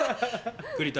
栗田。